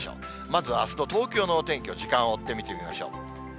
まず、あすの東京のお天気を時間を追って見てみましょう。